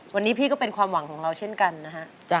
วันนี้พี่ก็เป็นความหวังของเราเช่นกันนะฮะ